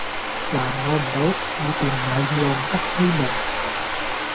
難我唔到，我並唔係浪得虛名